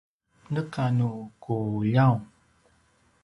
neka nu ku ljaung